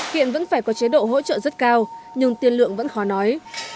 hiện vẫn phải có chế độ hỗ trợ rất cao nhưng tiên lượng vẫn khó nói